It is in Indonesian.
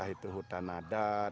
itu hutan adat